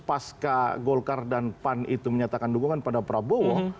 pasca golkar dan pan itu menyatakan dukungan pada prabowo